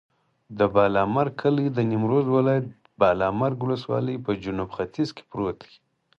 د بالامرګ کلی د نیمروز ولایت، بالامرګ ولسوالي په جنوب ختیځ کې پروت دی.